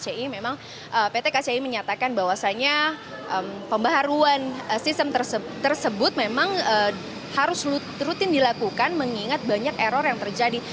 dari hasil jumpa pers tadi sore pt kci memang pt kci menyatakan bahwasannya pembaruan sistem tersebut memang harus rutin dilakukan mengingat banyak error yang terjadi